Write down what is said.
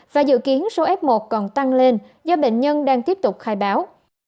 và dự kiến số f một còn tăng lên do bệnh nhân đang tiếp tục khai báo